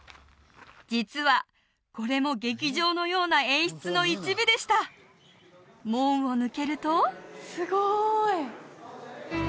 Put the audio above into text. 実はこれも劇場のような演出の一部でした門を抜けるとすごい！